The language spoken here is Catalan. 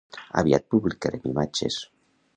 Aviat publicarem imatges.